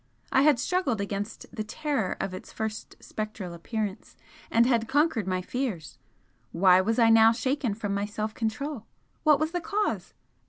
I had struggled against the terror of its first spectral appearance, and had conquered my fears, why was I now shaken from my self control? What was the cause?